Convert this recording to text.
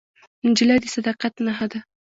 نجلۍ د صداقت نښه ده.